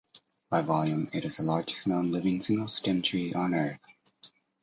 By volume, it is the largest known living single stem tree on Earth.